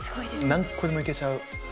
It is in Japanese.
何個でもいけちゃう。